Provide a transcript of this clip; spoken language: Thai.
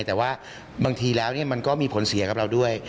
แต่ว่าบางทีแล้วมันก็มีผลเสียกับเราด้วย